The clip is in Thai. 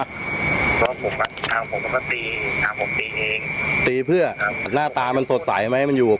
ถามผมก็ตีถามผมตีเองตีเพื่อหน้าตามันสดใสไหมมันอยู่กับกูอ่ะ